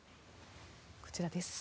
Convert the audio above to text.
こちらです。